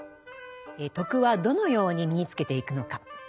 「徳」はどのように身につけていくのか。